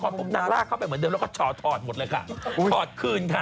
จนมะครบผมนางลากเข้าไปเหมือนเดิมแล้วก็ชว่อทอดหมดเลยค่ะขอดขึ้นค่ะ